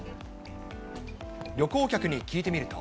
旅行客に聞いてみると。